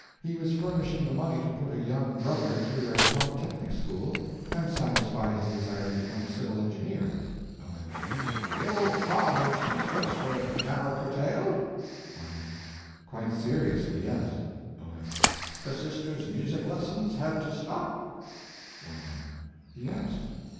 He was furnishing the money to put a young brother through a polytechnic school and satisfy his desire to become a civil engineer. O.M. The old father's comforts were now curtailed? Y.M. Quite seriously. Yes. O.M. The sister's music lessens had to stop? Y.M. Yes.